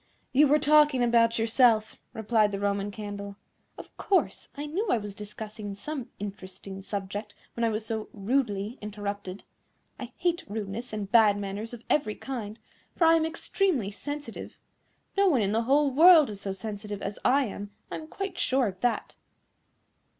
"You were talking about yourself," replied the Roman Candle. "Of course; I knew I was discussing some interesting subject when I was so rudely interrupted. I hate rudeness and bad manners of every kind, for I am extremely sensitive. No one in the whole world is so sensitive as I am, I am quite sure of that."